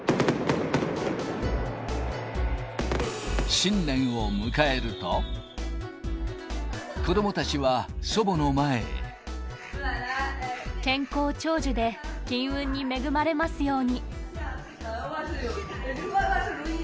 新年を迎えると、子どもたちは祖健康長寿で金運に恵まれますように。